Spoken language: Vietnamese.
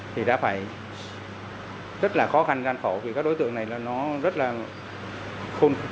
thì đã phải rất là khó khăn gian khổ vì các đối tượng này là nó rất là khôn